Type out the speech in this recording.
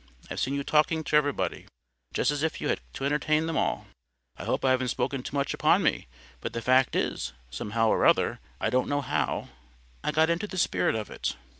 I've seen you talking to everybody, just as if you had to entertain them all." "I hope I haven't taken too much upon me. But the fact is, somehow or other, I don't know how, I got into the spirit of it."